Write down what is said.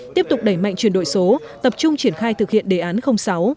tiếp tục đẩy mạnh chuyển đổi số tập trung triển khai thực hiện đề án sáu